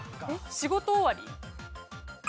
仕事終わり。